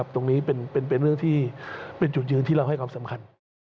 ตรงนี้เป็นอยู่จุดที่เราให้ความสำคัญ